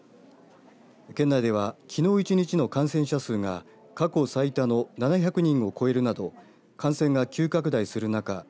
県内ではきのう１日の感染者数が過去最多の７００人を超えるなど感染が急拡大する中